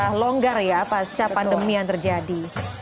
sudah longgar ya pasca pandemi yang terjadi